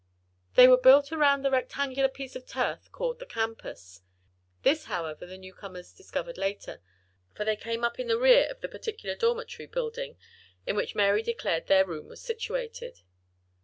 They were built around a rectangular piece of turf called the campus. This, however, the newcomers discovered later, for they came up in the rear of the particular dormitory building in which Mary declared their room was situated.